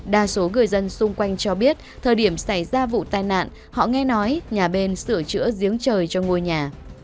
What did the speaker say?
đa số người dân xung quanh cho biết thời điểm xảy ra vụ tai nạn họ nghe nói nhà bên sửa chữa giếng trời cho ngôi nhà